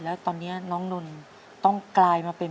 แล้วตอนนี้น้องนนต้องกลายมาเป็น